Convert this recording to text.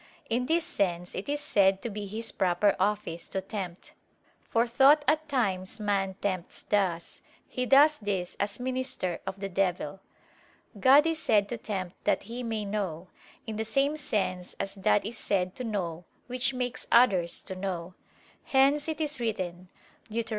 In this sense it is said to be his proper office to tempt: for thought at times man tempts thus, he does this as minister of the devil. God is said to tempt that He may know, in the same sense as that is said to know which makes others to know. Hence it is written (Deut.